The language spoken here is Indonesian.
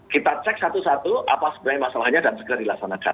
kita cek satu satu apa sebenarnya masalahnya dan segera dilaksanakan